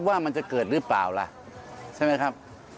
ว่ามันจะเกิดหรือเปล่าล่ะใช่ไหมครับ